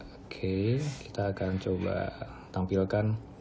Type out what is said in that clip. oke kita akan coba tampilkan